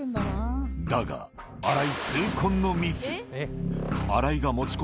だが、荒井、痛恨のミス。